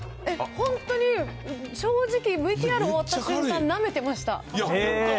本当に、正直、ＶＴＲ終わった瞬間、なめてました。